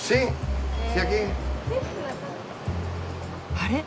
あれ？